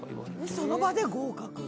その場で合格？